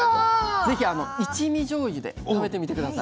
ぜひ一味じょうゆで食べてみて下さい。